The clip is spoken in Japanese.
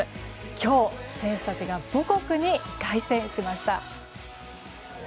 今日、選手たちが母国に凱旋しました。